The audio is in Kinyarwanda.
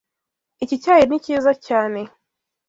Iki cyayi ni cyiza cyane.